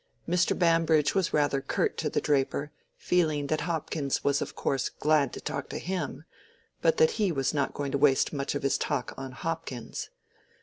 Mr. Bambridge was rather curt to the draper, feeling that Hopkins was of course glad to talk to him, but that he was not going to waste much of his talk on Hopkins.